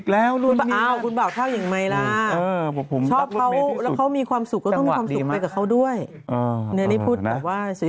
และเพราะเขามีความสุขก็มีความสุขไปกับเขาด้วยเหนียร์พูดแบบว่าสวย